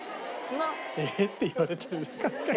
「え？」って言われてる観客席から。